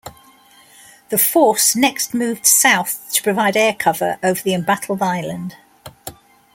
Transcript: The force next moved south to provide air cover over the embattled island.